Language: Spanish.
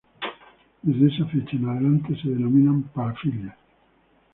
Desde esa fecha en adelante se denominan "parafilias".